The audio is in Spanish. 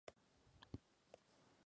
No era un teatro para el pueblo.